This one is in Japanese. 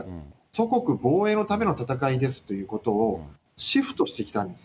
祖国防衛のための戦いですということを、シフトしてきたんです。